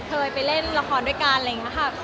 เคยไปเล่นละครด้วยกันอะไรอย่างนี้ค่ะ